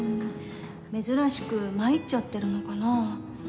珍しく参っちゃってるのかな。